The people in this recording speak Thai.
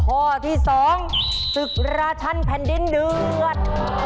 ข้อที่๒ศึกราชันแผ่นดินเดือด